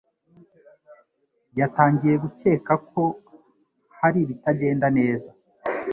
yatangiye gukeka ko hari ibitagenda neza.